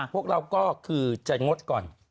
พวกเราก็คือจะงดก่อน